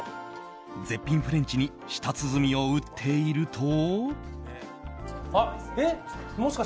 絶品フレンチに舌鼓を打っていると。